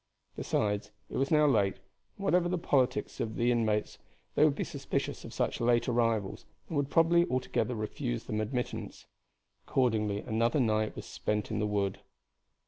Besides, it was now late, and whatever the politics of the inmates they would be suspicious of such late arrivals, and would probably altogether refuse them admittance. Accordingly another night was spent in the wood.